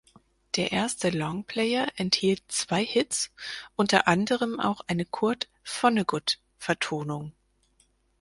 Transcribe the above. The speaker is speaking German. Der erste Longplayer enthielt zwei Hits, unter anderem auch eine Kurt Vonnegut-Vertonung.